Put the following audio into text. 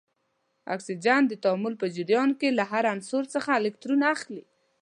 اکسیجن د تعامل په جریان کې له هر عنصر څخه الکترون اخلي.